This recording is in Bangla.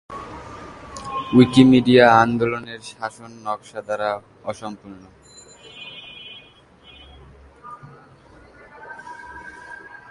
উইকিমিডিয়া আন্দোলনের শাসন নকশা দ্বারা অসম্পূর্ণ।